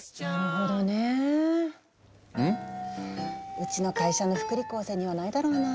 うちの会社の福利厚生にはないだろうな。